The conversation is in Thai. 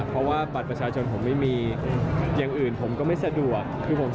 เพราะว่าบัตรประชาชนผมไม่มีอย่างอื่นผมก็ไม่สะดวก